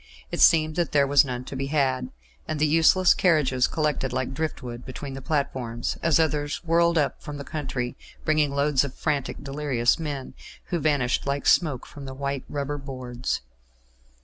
It seemed that there was none to be had, and the useless carriages collected like drift wood between the platforms, as others whirled up from the country bringing loads of frantic, delirious men, who vanished like smoke from the white rubber boards.